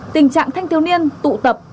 tình trạng thanh thiếu niên tụ tập